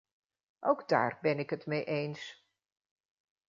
Ook daar ben ik het mee eens.